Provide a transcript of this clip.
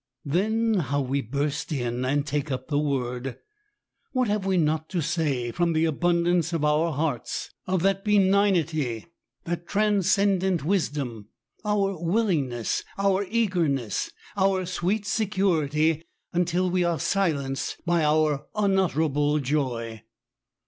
Then how we burst in, and take up the word ! What have we not to say, from the abundance of our hearts, of that be POWER OF IDEAS IN TUB SICK ROOM. 175 Dignity, — ^that transcendant wisdom, — our willing ness, — our eagerness, — our sweet security, — till we are silenced by our unutterable joy